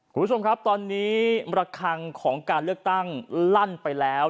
คุณผู้ชมครับตอนนี้ระคังของการเลือกตั้งลั่นไปแล้ว